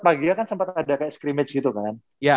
pagi kan sempet ada kayak scrimmage gitu kan